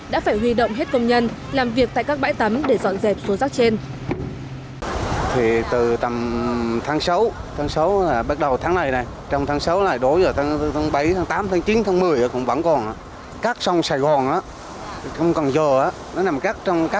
đã phải huy động hết công nhân làm việc tại các bãi tắm để dọn dẹp số rác trên